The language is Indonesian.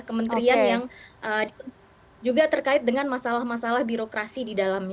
kementerian yang juga terkait dengan masalah masalah birokrasi di dalamnya